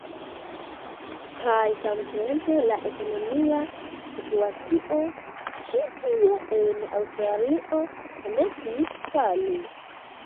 kaj samtempe la ekonomia situacio ĉi tie en Aŭstralio komencis fali.